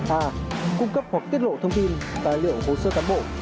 a cung cấp hoặc tiết lộ thông tin tài liệu hồ sơ cán bộ